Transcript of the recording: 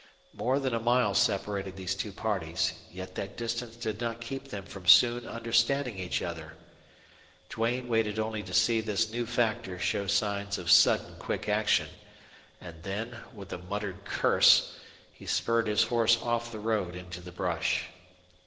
More than a mile separated these two parties, yet that distance did not keep them from soon understanding each other. Duane waited only to see this new factor show signs of sudden quick action, and then, with a muttered curse, he spurred his horse off the road into the brush.